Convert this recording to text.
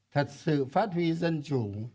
thật sự phát huy dân chủ